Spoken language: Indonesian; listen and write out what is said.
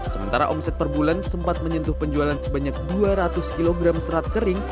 sementara omset per bulan sempat menyentuh penjualan sebanyak dua ratus kg serat kering